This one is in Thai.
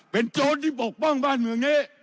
เป็นโจรที่ปกป้องบ้านเมืองเยอะ